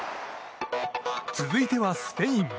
続いては、スペイン。